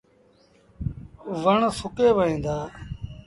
وڻ سُڪي وهيݩ دآ۔